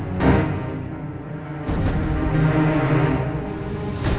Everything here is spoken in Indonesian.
nanti kalau ada di lantai